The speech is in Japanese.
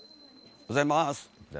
おはようございます。